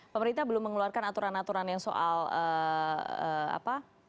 pemerintah belum mengeluarkan aturan aturan yang soal apa